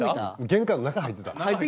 玄関の中入ってた。